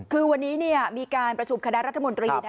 คือวันนี้มีการประชุมคณะรัฐมนตรี